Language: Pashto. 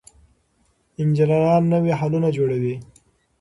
انجنیران نوي حلونه جوړوي.